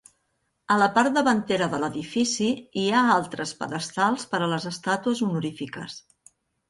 A la part davantera de l'edifici hi ha altres pedestals per a les estàtues honorífiques.